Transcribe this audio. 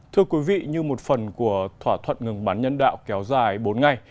thưa quý vị như một phần của thỏa thuận ngừng bắn nhân đạo kéo dài bốn ngày